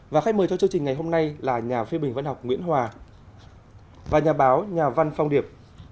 và khách mời cho chương trình ngày hôm nay là nhà phê bình văn học nguyễn hòa và nhà báo nhà văn phong điệp